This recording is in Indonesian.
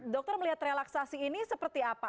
dokter melihat relaksasi ini seperti apa